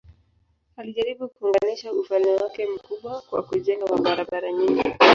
Alijaribu kuunganisha ufalme wake mkubwa kwa kujenga barabara nyingi.